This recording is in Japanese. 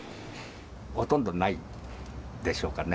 ほとんどないでしょうかね。